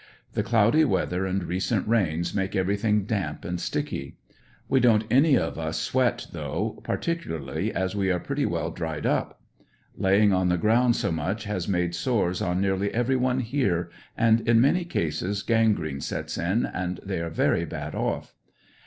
The cloudy weather and recent rains make every thing damp and sticky. We don't any of us sweat though, particularly, as we are pretty well dried up. Laying on the ground so much has made sores on nearly every one here, and in many cases gangrene sets in and they are very bad off.